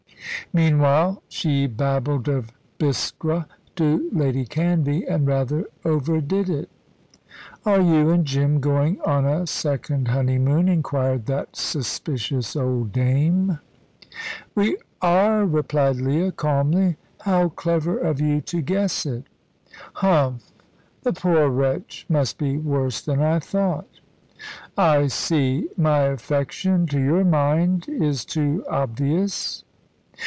Meanwhile, she babbled of Biskra to Lady Canvey, and rather overdid it. "Are you and Jim going on a second honeymoon?" inquired that suspicious old dame. "We are," replied Leah, calmly. "How clever of you to guess it!" "Humph! The poor wretch must be worse than I thought." "I see; my affection, to your mind, is too obvious."